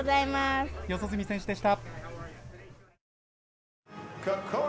四十住選手でした。